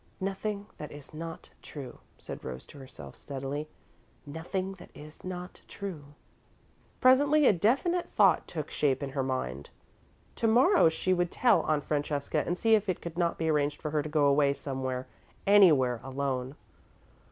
"Nothing that is not true," said Rose to herself, steadily; "nothing that is not true." Presently a definite thought took shape in her mind. To morrow she would tell Aunt Francesca, and see if it could not be arranged for her to go away somewhere, anywhere, alone.